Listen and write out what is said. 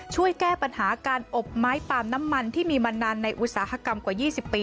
ช่วยแก้ปัญหาการอบไม้ปาล์มน้ำมันที่มีมานานในอุตสาหกรรมกว่า๒๐ปี